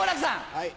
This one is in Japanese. はい。